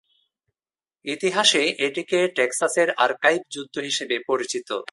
ইতিহাসে এটিকে টেক্সাসের আর্কাইভ যুদ্ধ হিসেবে পরিচিত।